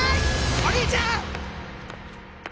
お兄ちゃん！